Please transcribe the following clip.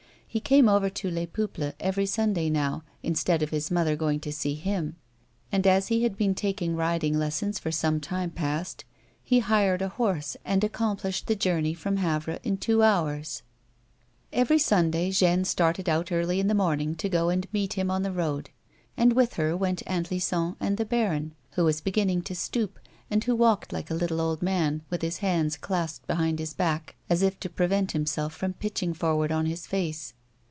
He came over to Les Peuples every Sunday now, instead of his mother going to see him ; and as he had been taking riding lessons for some time past, he hired a horse and accomplished the journey from Havre in two hours. A WOMAN'S LIFE. 201 Every Sunday Jeanne started out early in the morning to go and meet him on the road, and with her went Aunt Lison and the baron, who was beginning to stoop, and who walked like a little old man, with his hands clasped behind his back as if to prevent himself from pitching forward on his face.